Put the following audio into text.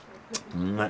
うまい。